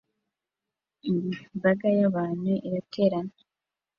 imbaga y'abantu iraterana